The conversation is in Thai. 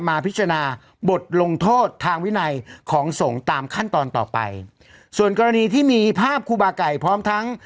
มาพิจารณาบทลงโทษทางวินัยของสงฆ์ตามขั้นตอนต่อไปส่วนกรณีที่มีภาพครูบาไก่พร้อมทั้ง